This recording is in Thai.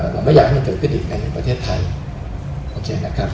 เราไม่อยากให้มันเกิดขึ้นอีกในประเทศไทย